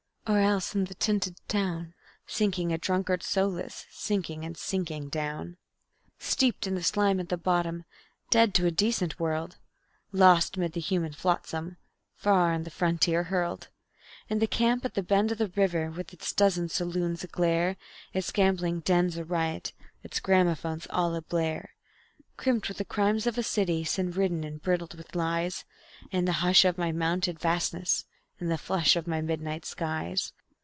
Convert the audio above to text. or else in the tented town Seeking a drunkard's solace, sinking and sinking down; Steeped in the slime at the bottom, dead to a decent world, Lost 'mid the human flotsam, far on the frontier hurled; In the camp at the bend of the river, with its dozen saloons aglare, Its gambling dens ariot, its gramophones all ablare; Crimped with the crimes of a city, sin ridden and bridled with lies, In the hush of my mountained vastness, in the flush of my midnight skies.